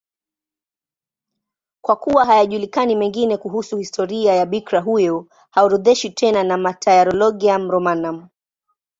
Kwa kuwa hayajulikani mengine kuhusu historia ya bikira huyo, haorodheshwi tena na Martyrologium Romanum.